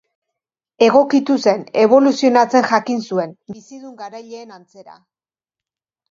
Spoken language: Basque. Egokitu zen, eboluzionatzen jakin zuen, bizidun garaileen antzera.